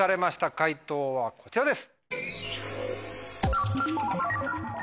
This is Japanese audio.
解答はこちらです！